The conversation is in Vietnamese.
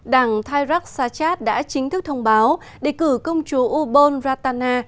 đảng thái rắc xa chát đã chính thức thông báo đề cử công chúa ubon ratana